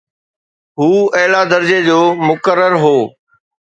هو اعليٰ درجي جو مقرر هو.